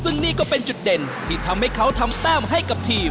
ซึ่งนี่ก็เป็นจุดเด่นที่ทำให้เขาทำแต้มให้กับทีม